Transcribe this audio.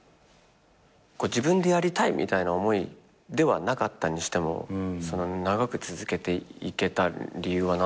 自分でやりたいみたいな思いではなかったにしても長く続けていけた理由は何だったの？